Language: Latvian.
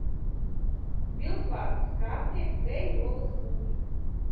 Viltvārdis krāpnieks dēj olas kūtī.